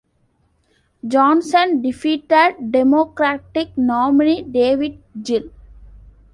Johnson defeated Democratic nominee David Gill.